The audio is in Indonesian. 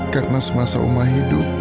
karena semasa oma hidup